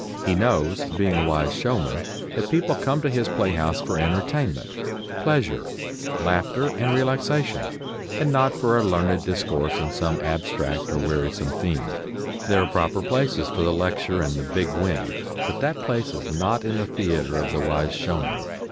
He knows, being a wise showman, that people come to his playhouse for entertainment, pleasure, laughter and relaxation, and not for a learned discourse on some abstract or wearisome theme. There are proper places for the lecture and the "big wind," but that place is not in the theatre of the wise showman.